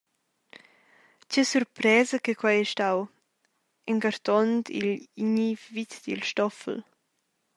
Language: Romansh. Tgei surpresa che quei ei stau, engartond igl igniv vit dil Stoffel.